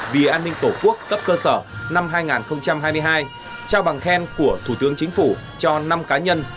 vì an ninh tổ quốc cấp cơ sở năm hai nghìn hai mươi hai trao bằng khen của thủ tướng chính phủ cho năm cá nhân